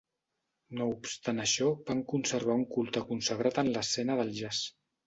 No obstant això, van conservar un culte consagrat en l'escena del jazz.